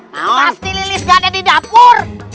pasti lilis gak ada di dapur